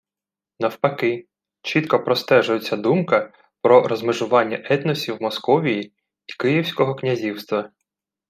Навпаки – чітко простежується думка про розмежування етносів Московії і Київського князівства